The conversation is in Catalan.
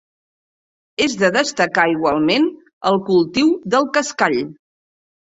És de destacar igualment el cultiu del cascall.